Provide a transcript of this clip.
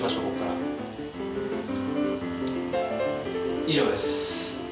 以上です。